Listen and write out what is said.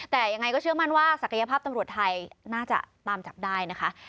แต่ยังไงก็เชื่อมั่นว่าศักยภาพตำรวจไทยน่าจะตามจับได้นะคะ